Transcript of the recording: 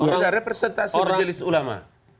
gara gara persentase berjelis ulama